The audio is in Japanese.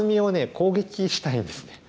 攻撃したいんですね。